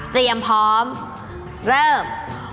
เตรียมพร้อมเริ่ม